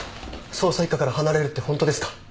捜査一課から離れるってホントですか？